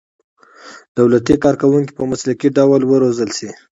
دولتي کارکوونکي په مسلکي ډول وروزل شي.